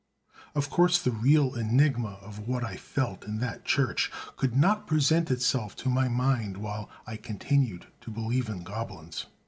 Of course the real enigma of what I felt in that church could not present itself to my mind while I continued to believe in goblins.